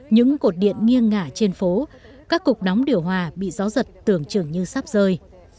những cột điện nghiêng ngả trên phố các cục đóng điều hòa bị gió giật tưởng chừng như sắp rơi